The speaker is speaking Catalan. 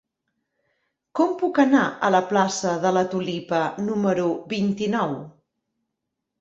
Com puc anar a la plaça de la Tulipa número vint-i-nou?